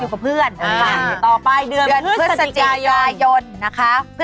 สวัสดีครับ